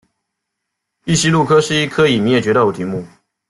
异鼷鹿科是一科已灭绝的偶蹄目。